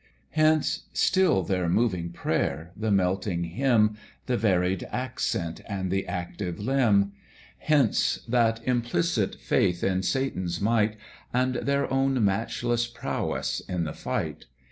Hence, still their moving prayer, the melting hymn, The varied accent, and the active limb: Hence that implicit faith in Satan's might, And their own matchless prowess in the fight.